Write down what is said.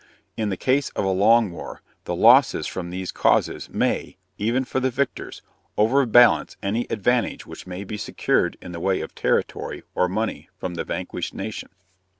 In the case of a long war, the losses from these causes may, even for the victors, overbalance any advantage which may be secured in the way of territory or money from the vanquished nation.